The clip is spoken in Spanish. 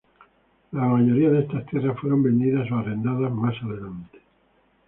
La mayoría de estas tierras fueron vendidas o arrendadas más adelante.